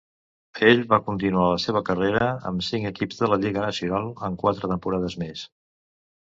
Ell va continuar la seva carrera amb cinc equips de la lliga nacional en quatre temporades més.